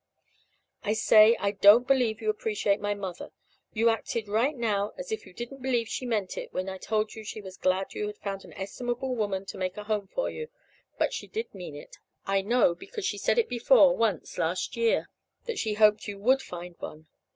"I say I don't believe you appreciate my mother. You acted right now as if you didn't believe she meant it when I told you she was glad you had found an estimable woman to make a home for you. But she did mean it. I know, because she said it before, once, last year, that she hoped you would find one."